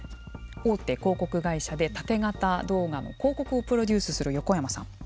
大手広告会社でタテ型動画の広告をプロデュースする横山さん。